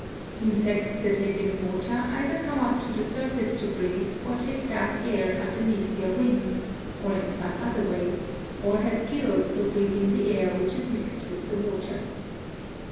Insects that live in water either come up to the surface to breathe or take down air underneath their wings, or in some other way, or have gills for breathing the air which is mixed with the water.